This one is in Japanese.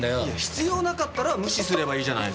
必要なかったら無視すればいいじゃないですか。